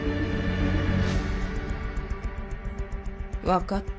分かった。